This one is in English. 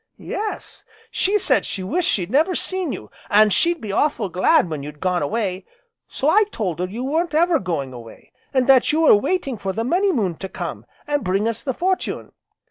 "Yes; she said she wished she'd never seen you, an' she'd be awful' glad when you'd gone away. So I told her you weren't ever going away, an' that we were waiting for the Money Moon to come, an' bring us the fortune.